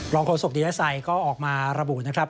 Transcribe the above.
รองโครสกดินไทยก็ออกมาระบุนะครับ